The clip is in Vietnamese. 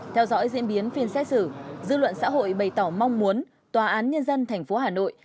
theo dõi diễn biến phiên xét xử dư luận xã hội bày tỏ mong muốn tòa án nhân dân tp hà nội